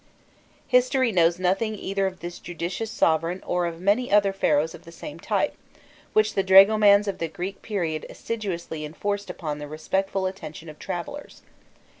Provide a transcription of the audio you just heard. History knows nothing either of this judicious sovereign or of many other Pharaohs of the same type, which the dragomans of the Greek period assiduously enforced upon the respectful attention of travellers.